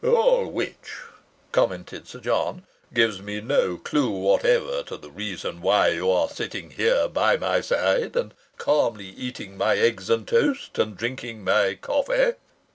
"All which," commented Sir John, "gives me no clue whatever to the reason why you are sitting here by my side and calmly eating my eggs and toast, and drinking my coffee."